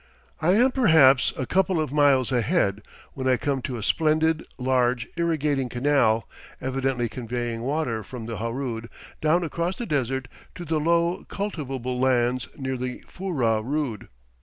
I am perhaps a couple of miles ahead when I come to a splendid, large, irrigating canal, evidently conveying water from the Harood down across the desert to the low cultivable lands near the Furrah Rood.